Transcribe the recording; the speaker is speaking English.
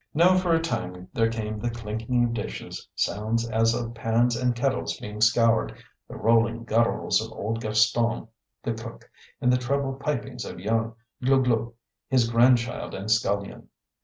Now for a time there came the clinking of dishes, sounds as of pans and kettles being scoured, the rolling gutturals of old Gaston, the cook, and the treble pipings of young "Glouglou," his grandchild and scullion.